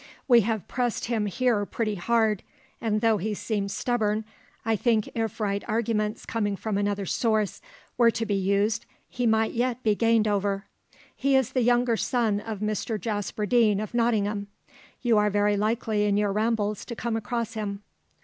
We have pressed him here pretty hard, and though he seemed stubborn, I think if right arguments coming from another source were to be used, he might yet be gained over. He is the younger son of Mr Jasper Deane of Nottingham. You are very likely in your rambles to come across him."